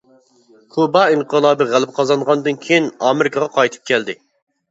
كۇبا ئىنقىلابى غەلىبە قازانغاندىن كېيىن ئامېرىكىغا قايتىپ كەلدى.